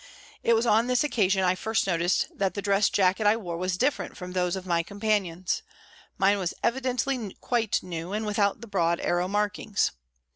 It was on this occasion I first noticed that the dress jacket I wore was different from those of my companions ; mine was evidently quite new and without the broad arrow markings.